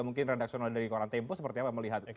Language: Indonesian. mungkin redaksional dari koran tempo seperti apa melihat